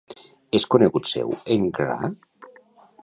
És conegut seu en Grga?